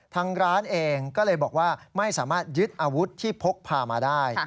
ทางร้านเองก็เลยบอกว่าไม่สามารถยึดอาวุธที่พกพามาได้